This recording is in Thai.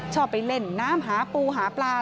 ชอบไปเล่นน้ำหาปูหาปลา